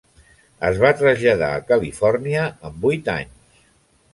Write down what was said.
Es va traslladar a Califòrnia amb vuit anys.